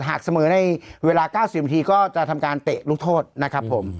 หากเสมอในเวลา๙๐นาทีก็จะทำการเตะลูกโทษนะครับผม